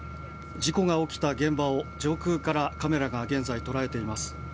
事故が起きた現場を上空からカメラが現在、捉えています。